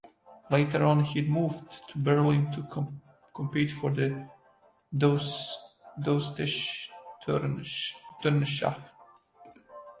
Later on he moved to Berlin to compete for the "Deutsche Turnerschaft".